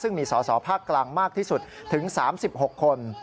ซึ่งมีสอสอภาคกลางมากที่สุดถึง๓๖คน